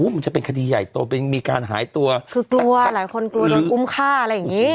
มันจะเป็นคดีใหญ่โตเป็นมีการหายตัวคือกลัวหลายคนกลัวโดนอุ้มฆ่าอะไรอย่างงี้